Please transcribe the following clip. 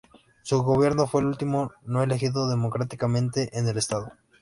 Su gobierno fue el último no elegido democráticamente en el estado.